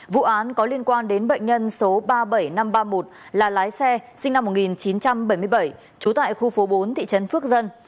vụ án có liên quan đến bệnh nhân số ba mươi bảy nghìn năm trăm ba mươi một là lái xe sinh năm một nghìn chín trăm bảy mươi bảy trú tại khu phố bốn thị trấn phước dân